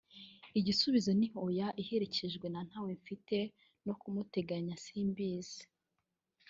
igisubizo ni Oya iherekejwe na “Ntawe mfite no kumuteganya simbizi